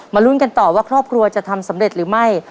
ลุ้นกันต่อว่าครอบครัวจะทำสำเร็จหรือไม่